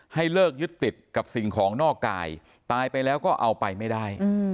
ให้เลิกยึดติดกับสิ่งของนอกกายตายไปแล้วก็เอาไปไม่ได้